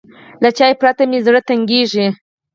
له چای پرته مې زړه تنګېږي.